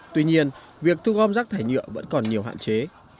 tuy nhiên việc thu gom rác thải nhựa vẫn còn nhiều hạn chế